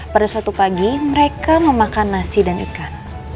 pada suatu pagi mereka memakan nasi dan ikan